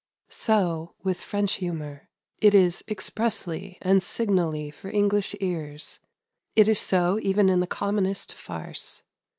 So with French humour. It is expressly and signally for English ears. It is so even in the commonest farce.